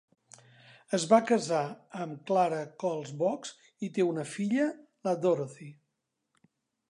Es va casar amb Clara Coles Boggs i té una filla, la Dorothy.